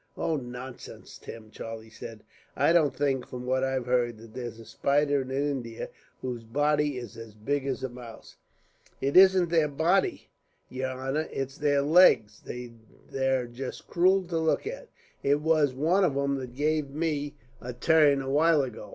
"Oh, nonsense, Tim!" Charlie said; "I don't think, from what I've heard, that there's a spider in India whose body is as big as a mouse." "It isn't their body, yer honor. It's their legs. They're just cruel to look at. It was one of 'em that gave me a turn, a while ago.